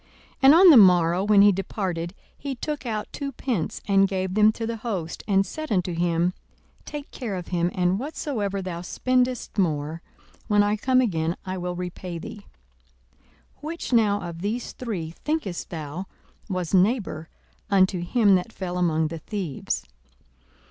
42:010:035 And on the morrow when he departed, he took out two pence, and gave them to the host, and said unto him, Take care of him; and whatsoever thou spendest more, when I come again, I will repay thee. 42:010:036 Which now of these three, thinkest thou, was neighbour unto him that fell among the thieves?